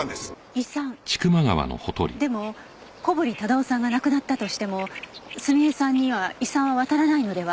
遺産？でも小堀忠夫さんが亡くなったとしても澄江さんには遺産は渡らないのでは。